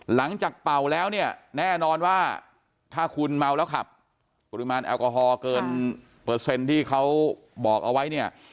เป่าแล้วเนี่ยแน่นอนว่าถ้าคุณเมาแล้วขับปริมาณแอลกอฮอล์เกินเปอร์เซ็นต์ที่เขาบอกเอาไว้เนี่ย